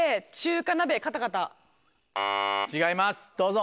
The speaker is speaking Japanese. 違いますどうぞ。